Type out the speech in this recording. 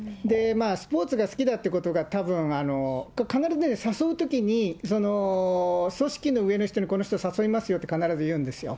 スポーツが好きだってことが、たぶん、必ず誘うときに、組織の上の人に、この人誘いますよって、必ず言うんですよ。